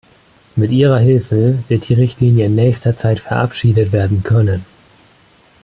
Mit Ihrer Hilfe wird die Richtlinie in nächster Zeit verabschiedet werden können.